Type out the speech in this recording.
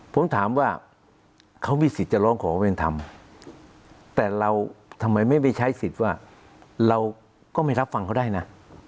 ผมถามว่าเขามีสิทธิ์จะร้องขอเป็นธรรมแต่เราทำไมไม่ไปใช้สิทธิ์ว่าเราก็ไม่รับฟังเขาได้นะ